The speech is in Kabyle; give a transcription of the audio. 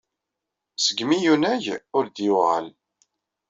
Segmi i yunag, ur d-yuɣal.